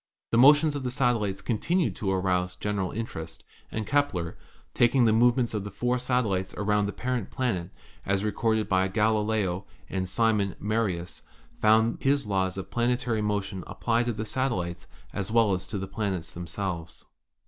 The motions of the satellites continued to arouse general interest, and Kepler, taking the movements of the four satellites around the parent planet, as recorded by Galileo and Simon Marius, found that his laws of planetary motion applied to the satellites as well as to the planets themselves.